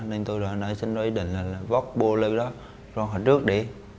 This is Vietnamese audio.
nên tôi đã nãy xin lỗi ý định là vót bộ lưu đó rồi hãy rước đi